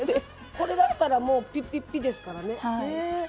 これだったらもうピッピッピッですからね。